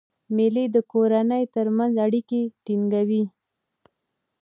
مېلې د کورنۍ ترمنځ اړیکي ټینګوي.